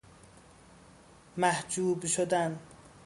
محجوب شدن